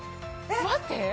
待って。